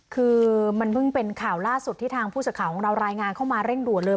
คือมันเพิ่งเป็นข่าวล่าสุดที่ทางผู้สื่อข่าวของเรารายงานเข้ามาเร่งด่วนเลย